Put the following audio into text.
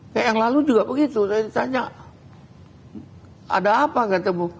kayak yang lalu juga begitu saya ditanya ada apa nggak temu